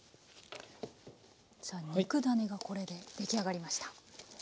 じゃあ肉だねがこれで出来上がりました。